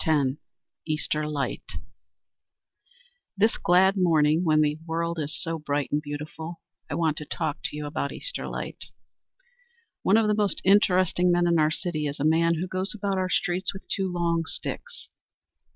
"_ EASTER LIGHT This glad morning, when the world is so bright and beautiful, I want to talk to you about Easter Light. One of the most interesting men in our city is a man who goes about our streets with two long sticks.